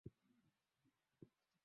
kwa kuwa sio tu inaathiri uchumi wa misri